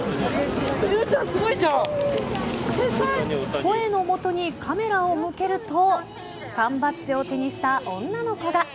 声のもとにカメラを向けると缶バッジを手にした女の子が。